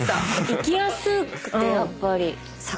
行きやすくてやっぱり。